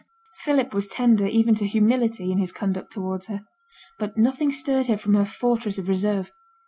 Philip was tender even to humility in his conduct towards her. But nothing stirred her from her fortress of reserve.